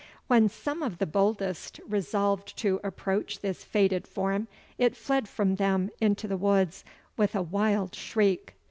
When some of the boldest resolved to approach this faded form, it fled from them into the woods with a wild shriek.